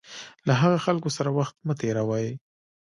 له هغه خلکو سره وخت مه تېروئ.